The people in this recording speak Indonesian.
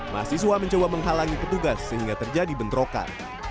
mahasiswa mencoba menghalangi petugas sehingga terjadi bentrokan